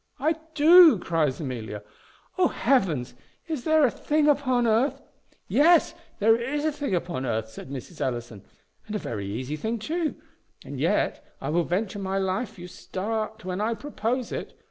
"I do!" cries Amelia: "O Heavens! is there a thing upon earth " "Yes, there is a thing upon earth," said Mrs. Ellison, "and a very easy thing too; and yet I will venture my life you start when I propose it.